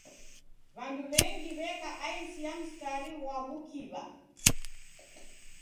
W'andu w'engi w'eka aisi ya msitari ghwa w'ukiw'a.